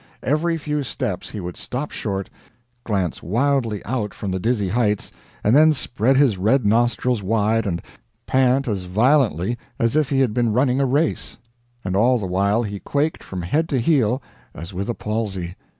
Every few steps he would stop short, glance wildly out from the dizzy height, and then spread his red nostrils wide and pant as violently as if he had been running a race; and all the while he quaked from head to heel as with a palsy.